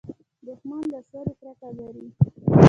دښمن له سولې کرکه لري